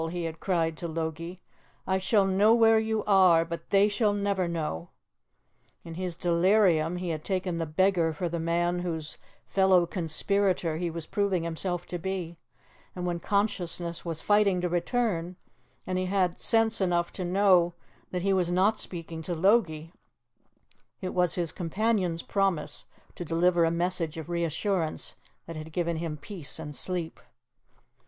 he had cried to Logie. "I shall know where you are, but they shall never know!" In his delirium, he had taken the beggar for the man whose fellow conspirator he was proving himself to be, and when consciousness was fighting to return, and he had sense enough to know that he was not speaking to Logie, it was his companion's promise to deliver a message of reassurance that had given him peace and sleep.